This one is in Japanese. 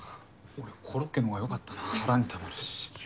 俺コロッケの方が良かったな腹にたまるし。